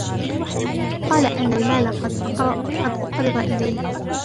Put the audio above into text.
قال أن المال قد أقرض إليه.